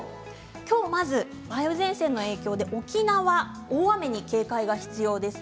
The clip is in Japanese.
きょう、まず梅雨前線の影響で沖縄、大雨に警戒が必要です。